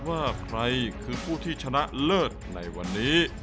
หาผู้ของชางสติคอมฆาน